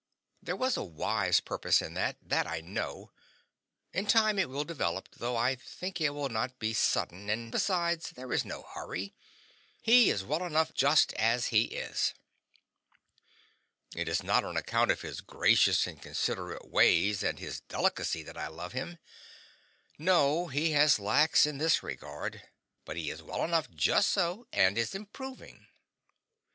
There was a wise purpose in it, THAT I know. In time it will develop, though I think it will not be sudden; and besides, there is no hurry; he is well enough just as he is. It is not on account of his gracious and considerate ways and his delicacy that I love him. No, he has lacks in this regard, but he is well enough just so, and is improving.